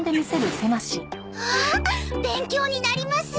わあ勉強になります。